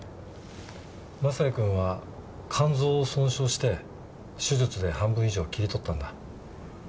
雅也君は肝臓を損傷して手術で半分以上切り取ったんだ。